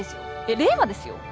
えっ令和ですよ？